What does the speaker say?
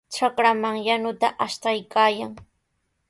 Trakraman wanuta ashtaykaayan.